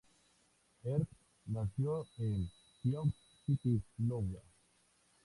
Herbst nació en Sioux City, Iowa.